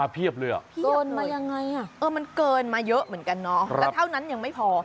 โยนมายังไงมันเกินมาเยอะเหมือนกันเนาะแล้วเท่านั้นยังไม่พอ